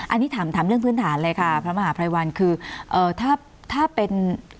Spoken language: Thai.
อันนี้ถามถามเรื่องพื้นฐานเลยค่ะพระมหาภัยวันคือเอ่อถ้าถ้าเป็น